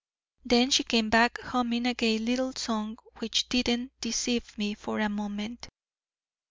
Then she came back humming a gay little song which didn't deceive me for a moment.